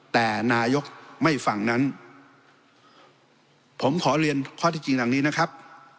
แต่นายกไม่ฟังนั้นผมขอเรียนข้อที่จริงดังนี้นะครับ